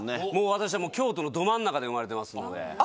私は京都のど真ん中で生まれてますので。